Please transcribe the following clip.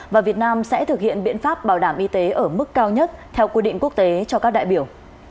và việt nam sẽ thực hiện biện pháp bảo đảm y tế ở mức cao nhất theo quy định quốc tế cho các đại biểu